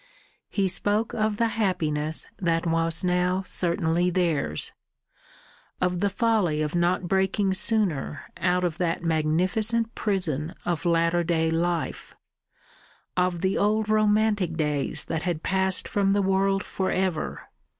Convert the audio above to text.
He spoke of the happiness that was now certainly theirs, of the folly of not breaking sooner out of that magnificent prison of latter day life, of the old romantic days that had passed from the world for ever.